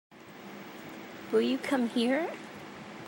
Will you come here?